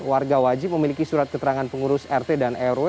warga wajib memiliki surat keterangan pengurus rt dan rw